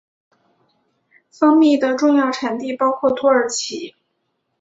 蜂蜜的重要产地包括土耳其。